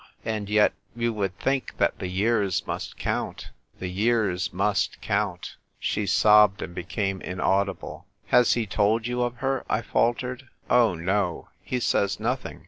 And yet, you would think that the years must count ; the years must count !" She sobbed, and became in audible. " Has he told you of her ?" I faltered. " Oh ! no ; he says nothing.